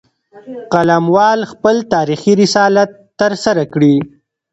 قلموال خپل تاریخي رسالت ترسره کړي